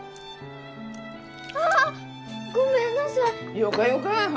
あ！ごめんなさい。